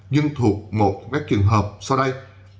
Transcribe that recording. nhưng thuộc một các trường hợp sau đây